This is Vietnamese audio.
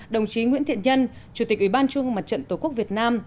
đồng chí nguyễn thiện nhân chủ tịch ủy ban trung mương mặt trận tổ quốc việt nam